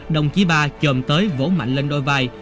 đồng chí ba chồm tới vỗ mạnh lên đôi vai